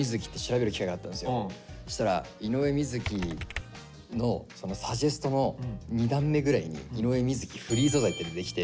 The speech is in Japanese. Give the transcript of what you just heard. したら「井上瑞稀」のサジェストの２段目ぐらいに「井上瑞稀フリー素材」って出てきて。